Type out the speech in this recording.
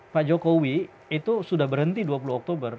pak jokowi itu sudah berhenti dua puluh oktober